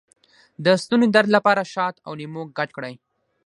د ستوني درد لپاره شات او لیمو ګډ کړئ